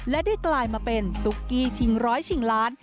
และได้กลายมาเป็นตุ๊กกี้ชิงร้อยชิงล้าน